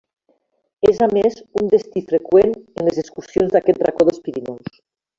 És, a més, un destí freqüent en les excursions d'aquest racó dels Pirineus.